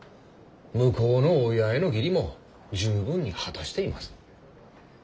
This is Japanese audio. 向こうの親への義理も十分に果たしています。